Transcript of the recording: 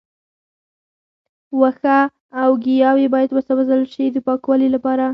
وښه او ګیاوې باید وسوځول شي د پاکوالي لپاره.